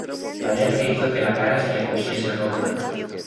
La alergía hizo que la cara se le pusiese roja.